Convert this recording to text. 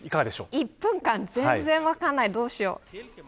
全然分からない、どうしよう。